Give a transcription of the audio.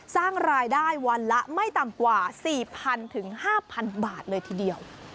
สร้างรายได้วันละไม่ต่ำกว่า๔๐๐๐ถึง๕๐๐บาทเลยทีเดียว